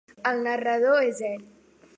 El narrador és ell.